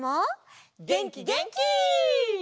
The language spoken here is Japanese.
げんきげんき！